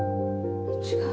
違う。